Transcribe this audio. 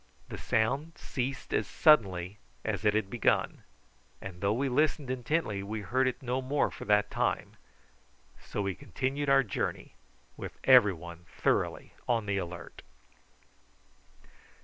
The sound ceased as suddenly as it had begun, and though we listened intently we heard it no more for that time, so we continued our journey with every one thoroughly on the alert.